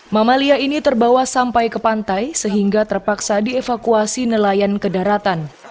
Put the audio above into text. mamalia ini terbawa sampai ke pantai sehingga terpaksa dievakuasi nelayan ke daratan